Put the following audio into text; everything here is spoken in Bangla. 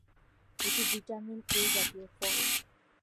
এটি ভিটামিন এ জাতীয় ফল।